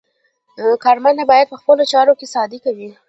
کارمند باید په خپلو چارو کې صادق وي.